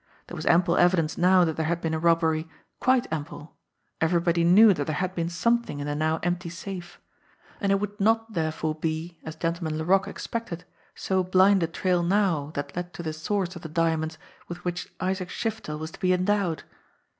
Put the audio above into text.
There was ample evidence now that there had been a rob bery, quite ample everybody knew that there had been something in the now empty safe and it would not there fore be, as Gentleman Laroque expected, so blind a trail now that led to the source of the diamonds with which Isaac Shiftel was to be endowed